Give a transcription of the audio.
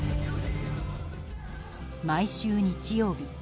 毎週日曜日